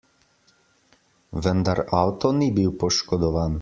Vendar avto ni bil poškodovan.